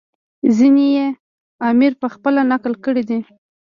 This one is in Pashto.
ځینې یې امیر پخپله نقل کړي دي.